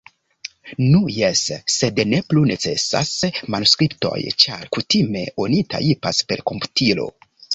Nu jes, sed ne plu necesas manuskriptoj, ĉar kutime oni tajpas per komputilo.